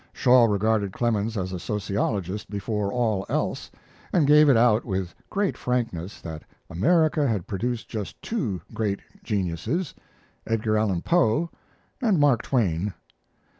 Shaw regarded Clemens as a sociologist before all else, and gave it out with great frankness that America had produced just two great geniuses Edgar Allan Poe and Mark Twain.